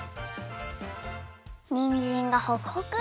にんじんがほくほく！